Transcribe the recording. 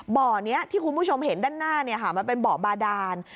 บ่อนี้ที่คุณผู้ชมเห็นด้านหน้ามันเป็นบ่อบาดาน